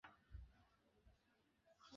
জিনিসপত্র তুলিবার প্রায় সময় ছিল না।